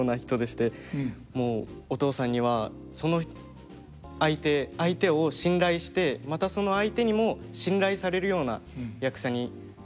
もうお父さんにはその相手相手を信頼してまたその相手にも信頼されるような役者になれと。